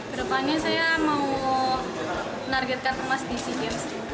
kedepannya saya mau menargetkan emas di sea games